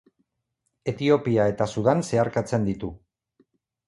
Etiopia eta Sudan zeharkatzen ditu.